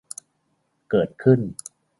เกิดขึ้น